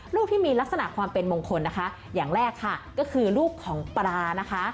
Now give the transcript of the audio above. ที่มีลักษณะความเป็นมงคลนะคะอย่างแรกค่ะก็คือลูกของปลานะคะ